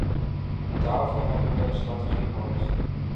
En daarvoor hebben we een strategie nodig.